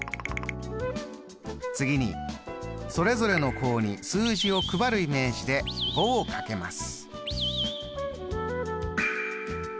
次にそれぞれの項に数字を配るイメージで５をかけます。